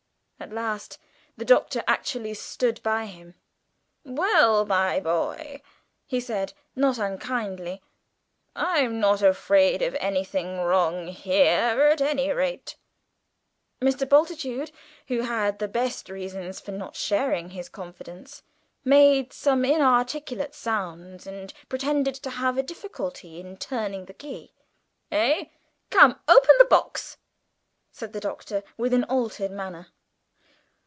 At last the Doctor actually stood by him. "Well, my boy," he said, not unkindly, "I'm not afraid of anything wrong here, at any rate." Mr. Bultitude, who had the best reasons for not sharing his confidence, made some inarticulate sounds, and pretended to have a difficulty in turning the key. "Eh? Come, open the box," said the Doctor with an altered manner.